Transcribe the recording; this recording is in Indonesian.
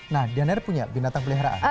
nah dana punya binatang peliharaan